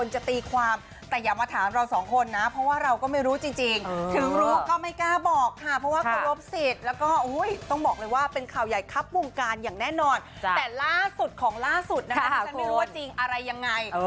จะตีความแต่อย่ามาถามเราสองคนนะเพราะว่าเราก็ไม่รู้จริงจริงถึงรู้ก็ไม่กล้าบอกค่ะเพราะว่าเขารพสิทธิ์แล้วก็อุ้ยต้องบอกเลยว่าเป็นข่าวใหญ่ครับวงการอย่างแน่นอนแต่ล่าสุดของล่าสุดนะครับที่ฉันไม่รู้ว่าจริงอะไรยังไง